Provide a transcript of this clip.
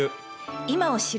今を知る。